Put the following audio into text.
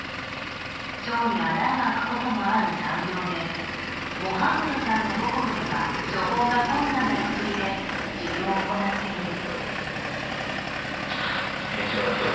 腸に穴が開くこともある難病で、モハンメドさんの母国では処方が困難な薬で治療を行っている。